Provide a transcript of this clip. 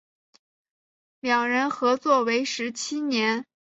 两人合作为时七年。